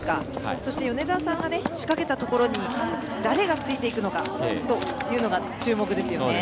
そして、米澤さんが仕掛けたところに誰がついていくのかというのが注目ですよね。